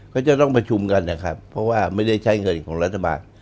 ก็จะต้องประชุมกันนะครับเพราะว่าไม่ได้ใช้เงินของรัฐบาล